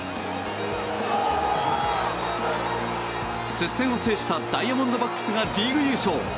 接戦を制したダイヤモンドバックスがリーグ優勝！